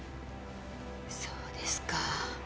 そうですか。